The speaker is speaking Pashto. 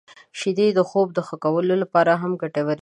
• شیدې د خوب د ښه کولو لپاره هم ګټورې دي.